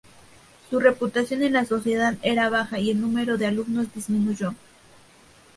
Su reputación en la sociedad era baja y el número de alumnos disminuyó.